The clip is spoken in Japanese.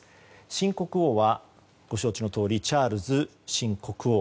新国王はご承知のとおりチャールズ新国王。